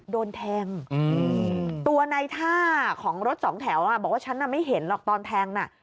โดนแทงตัวในท่าของรถสองแถวอ่ะบอกว่าฉันน่ะไม่เห็นหรอกตอนแทงน่ะ